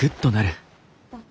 あっ。